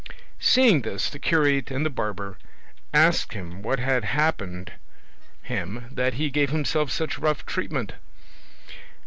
Seeing this, the curate and the barber asked him what had happened him that he gave himself such rough treatment.